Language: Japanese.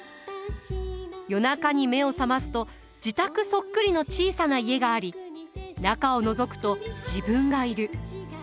夜中に目を覚ますと自宅そっくりの小さな家があり中をのぞくと自分がいる。